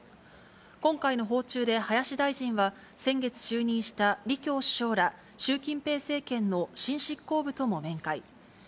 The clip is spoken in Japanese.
今回の訪中で林大臣は、先月就任した李きょう首相ら習近平政権の新執行部とも面会。